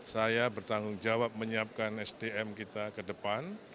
saya bertanggung jawab menyiapkan sdm kita ke depan